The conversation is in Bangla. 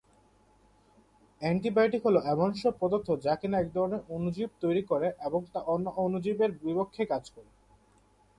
অ্যান্টিবায়োটিক হল এমন সব পদার্থ যা কিনা একধরনের অণুজীব তৈরি করে এবং তা অন্য অণুজীবের বিপক্ষে কাজ করে।